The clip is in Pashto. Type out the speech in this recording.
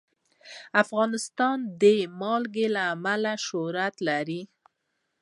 افغانستان د نمک له امله شهرت لري.